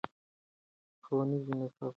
ښوونیز نصاب باید په پښتو وي.